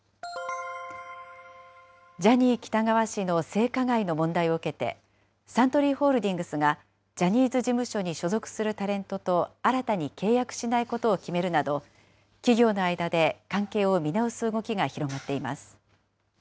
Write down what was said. ジャニー喜多川氏の性加害の問題を受けて、サントリーホールディングスが、ジャニーズ事務所に所属するタレントと新たに契約しないことを決めるなど、企業の間で関係を見直す動きが広がっています。